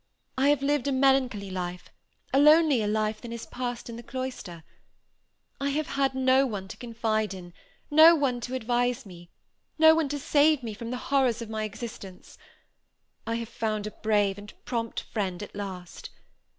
I have lived a melancholy life; a lonelier life than is passed in the cloister. I have had no one to confide in; no one to advise me; no one to save me from the horrors of my existence. I have found a brave and prompt friend at last.